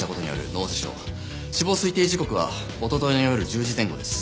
死亡推定時刻はおとといの夜１０時前後です。